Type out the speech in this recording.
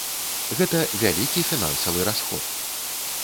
Гэта вялікі фінансавы расход.